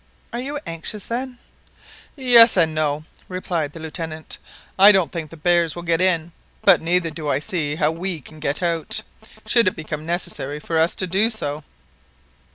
"Are you anxious, then?" "Yes and no," replied the Lieutenant. "I don't think the bears will get in; but neither do I see how we can get out, should it become necessary for us to do so."